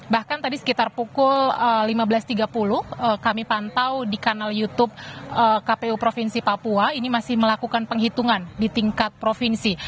bahkan tadi sekitar pukul lima belas tiga puluh kami pantau di kanal youtube kpu provinsi papua ini masih melakukan penghitungan di tingkat provinsi